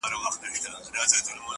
نسه نه وو نېمچه وو ستا د درد په درد;